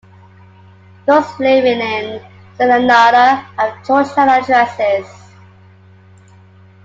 Those living in Serenada have Georgetown addresses.